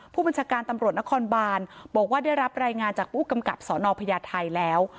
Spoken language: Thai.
ผู้บัญชาการตำรวจนครบานบอกว่าได้รับรายงานจากผู้กำกับสนพญาไทยแล้ว